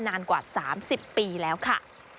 นานกว่าสามสิบปีแล้วค่ะ